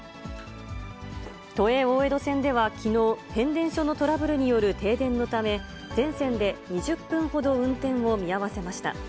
都営大江戸線ではきのう、変電所のトラブルによる停電のため、全線で２０分ほど運転を見合わせました。